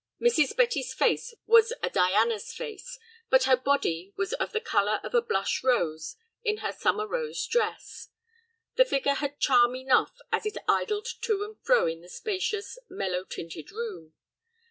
Mrs. Betty's face was a Diana's face, but her body was of the color of a blush rose in her summer rose dress. The figure had charm enough as it idled to and fro in the spacious, mellow tinted room.